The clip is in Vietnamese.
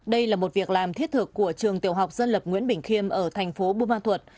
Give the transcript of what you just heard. đây là một việc làm thiết thực của trường tiểu học dân lập nguyễn bình khiêm ở thành phố buôn ma thuột